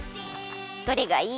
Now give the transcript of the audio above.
どれがいい？